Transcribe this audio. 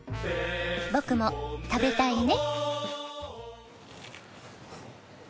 僕も食べたいね！